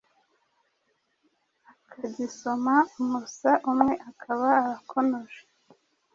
akagisoma umusa umwe akaba arakonoje.